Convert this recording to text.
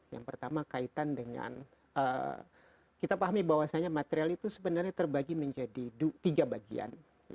yang pertama kaitan dengan kita pahami bahwasannya material itu sebenarnya terbagi menjadi tiga bagian